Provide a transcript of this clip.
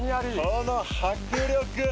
この迫力！